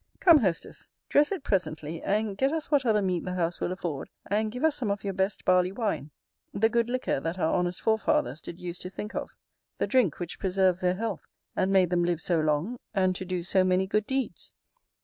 Come, hostess, dress it presently; and get us what other meat the house will afford; and give us some of your best barley wine, the good liquor that our honest forefathers did use to think of; the drink which preserved their health, and made them live so long, and to do so many good deeds.